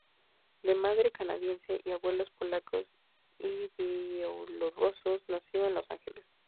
De madre canadiense y abuelos polacos y bielorrusos, nació en Los Ángeles.